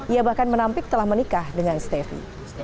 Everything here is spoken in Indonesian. ia bahkan menampik telah menikah dengan stefi